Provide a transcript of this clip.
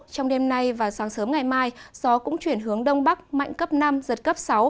trong đêm nay và sáng sớm ngày mai gió cũng chuyển hướng đông bắc mạnh cấp năm giật cấp sáu